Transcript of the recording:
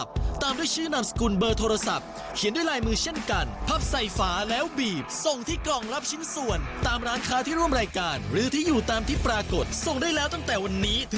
ส่วนใครอยากจะรู้ว่ากติกาเป็นอย่างไรไปดูกันได้เลยจ้า